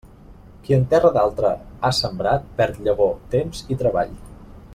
Qui en terra d'altre ha sembrat, perd llavor, temps i treball.